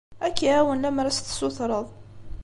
Ad k-iɛawen lemmer ad as-tessutreḍ.